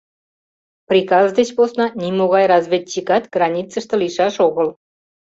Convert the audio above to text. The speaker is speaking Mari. — Приказ деч посна нимогай разведчикат границыште лийшаш огыл.